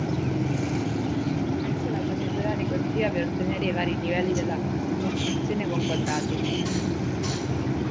Ecco la procedura ricorsiva per ottenere i vari livelli della costruzione con quadrati.